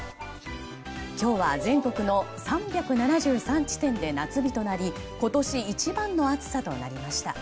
今日は全国の３７３地点で夏日となり今年一番の暑さとなりました。